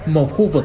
một khu vực